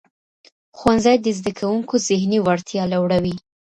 ښوونځی د زدهکوونکو ذهني وړتیا لوړوي.